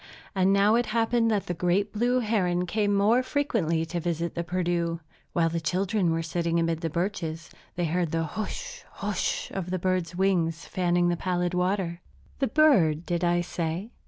And now it happened that the great blue heron came more frequently to visit the Perdu. While the children were sitting amid the birches, they heard the hush! hush! of the bird's wings fanning the pallid water. The bird, did I say?